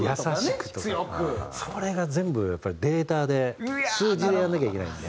それが全部やっぱりデータで数字でやんなきゃいけないんで。